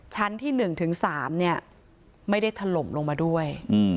ชั้นที่๑ถึง๓ไม่ได้ถล่มลงมาด้วย